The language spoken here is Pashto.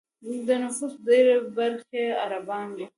د نفوس ډېری برخه یې عربان دي.